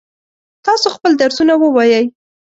تاسو خپل درسونه ووایئ.